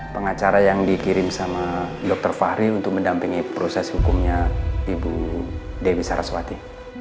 pengacara yang dikirim sama dr fahri untuk mendampingi proses hukumnya ibu dewi saraswati